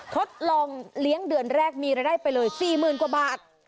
ทดลองเลี้ยงเดือนแรกมีรายได้ไปเลย๔๐๐๐กว่าบาท